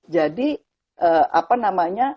jadi apa namanya